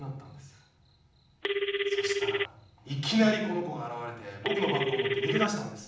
そしたらいきなりこの子が現れて僕のバッグを持って逃げ出したんです。